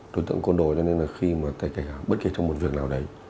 đối tượng con đồ cho nên là khi mà bất kỳ trong một việc nào đấy